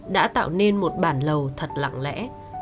đã tạo nên một bản lầu thật lặng lẽ